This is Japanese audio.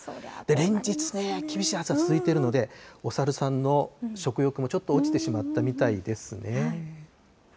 連日、厳しい暑さ、続いてるので、お猿さんの食欲もちょっと落ちてしまったみたいですね。